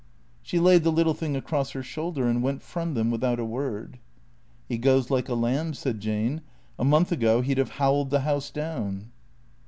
She laid the little thing across her shoulder and went from them without a word. " He goes like a lamb," said Jane. " A month ago he 'd have howled the house down."